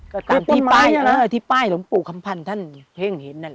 ก็ตามที่ป้ายที่ป้ายหลวงปู่คำพันธ์ท่านเพ่งเห็นนั่นแหละ